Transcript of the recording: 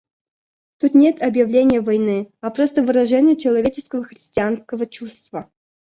Тут нет объявления войны, а просто выражение человеческого, христианского чувства.